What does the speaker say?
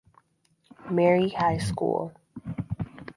Marie High School.